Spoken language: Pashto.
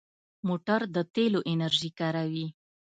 موټر د تېلو انرژي کاروي.